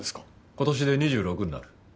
今年で２６になる。